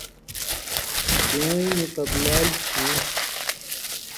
سِوَیں نی قبلالیۡ کھیں